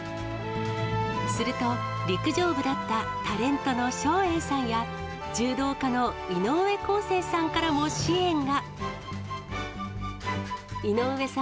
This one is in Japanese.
すると、陸上部だったタレントの照英さんや、柔道家の井上康生さんからも支援が。